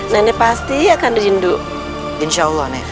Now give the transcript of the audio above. nenek pasti akan menemani